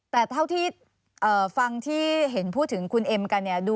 แต่เท่าที่ฟังที่เห็นพูดถึงคุณเอ็มกันเนี่ย